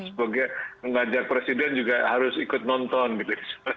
sebagai mengajak presiden juga harus ikut nonton gitu